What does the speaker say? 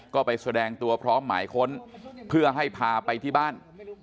ก็ไปแสดงตัวพร้อมหมายค้นเพื่อให้พาไปที่บ้าน